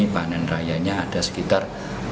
panen rayanya ada sekitar